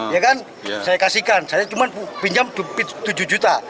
ya kan saya kasihkan saya cuma pinjam tujuh juta